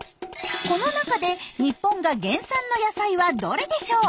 この中で日本が原産の野菜はどれでしょう？